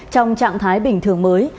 trong trạng thái bình thường mới